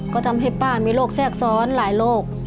ก็ทำให้ป้ามีโรคแทรกซ้อนหลายโรค